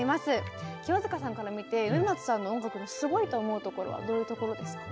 清塚さんから見て植松さんの音楽のすごいと思うところはどういうところですか？